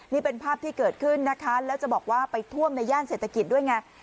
นี่เป็นภาพที่เกิดขึ้นนะคะแล้วจะบอกว่าไปท่วมในย่านเศรษฐกิจด้วยไง